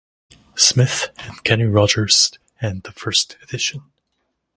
Smith, and Kenny Rogers and The First Edition.